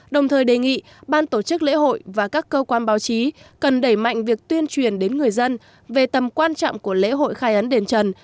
đồng thời đề nghị ban tổ chức lễ hội và các cơ quan báo chí cần đẩy mạnh việc tuyên truyền đến người dân về tầm quan trọng của lễ hội khai ấn đền trần